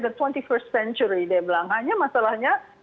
the dua puluh satu st century dia bilang hanya masalahnya